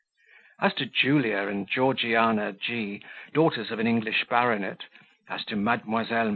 As to Julia and Georgiana G , daughters of an English baronet, as to Mdlle.